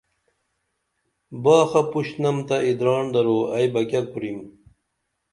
باخہ پُشنم تہ اِدراڻ درو ائی بہ کیہ کُرِم